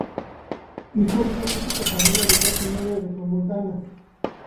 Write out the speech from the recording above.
Hijo de una típica familia de clase media regiomontana.